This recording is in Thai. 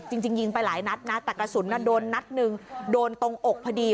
จริงยิงไปหลายนัดนะแต่กระสุนโดนนัดหนึ่งโดนตรงอกพอดี